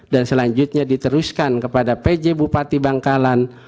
dan selanjutnya diteruskan kepada pj bupati bangkalan